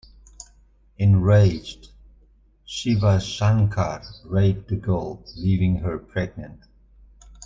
Enraged, Shivashankar raped the girl, leaving her pregnant.